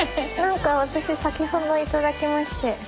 なんか私先ほどいただきまして。